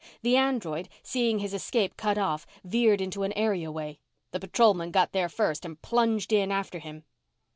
The android, seeing his escape cut off, veered into an areaway. The patrolman got there first and plunged in after him.